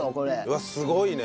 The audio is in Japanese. うわっすごいね。